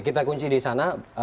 kita kunci di sana